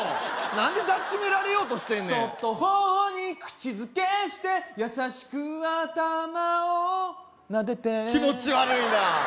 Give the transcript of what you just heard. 何で抱きしめられようとしてんねんそっと頬に口づけして優しく頭をなでて気持ち悪いな！